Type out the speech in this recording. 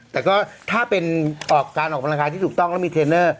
แต่ก็ถ้าเป็นการออกกำลังกายที่ถูกต้องแล้วมีเทรนเนอร์